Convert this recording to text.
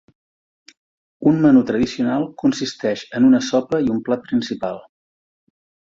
Un menú tradicional consisteix en una sopa i un plat principal.